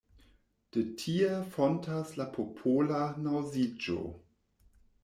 De tie fontas la popola naŭziĝo.